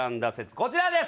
こちらです